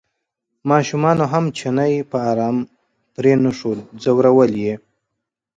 ماشومانو هم چینی په ارام پرېنښوده ځورول یې.